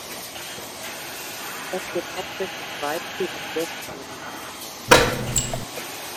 Es wird hauptsächlich Weizen auf Lößboden angebaut.